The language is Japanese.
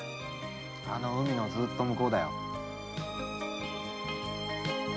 あの海のずっと向こうだ。